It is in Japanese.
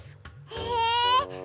へえ！